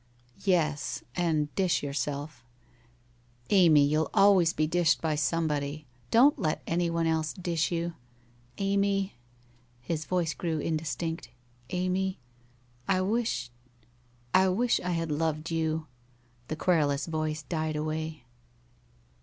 ' Yes, and dish yourself. Amy, you'll always be dished by somebody. Don't let anyone else dish you .... Amy ...' His voice grew indistinct, ' Amy ... I wish ... I wish I had loved you ...' The querulous voice died away.